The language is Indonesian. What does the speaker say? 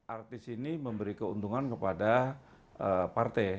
artis ini memberi keuntungan kepada partai